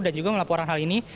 dan juga melaporkan hal ini